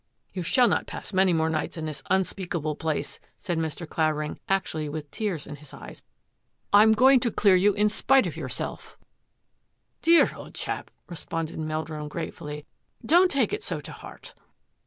^^ You shall not pass many more nights in this unspeakable place," said Mr. Clavering, actually with tears in his eyes. " I am going to clear you in spite of yourself.'' " Dear old chap," responded Meldrum grate fully, " don't take it so to heart."